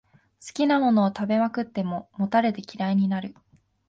好きなものを食べまくって、もたれて嫌いになる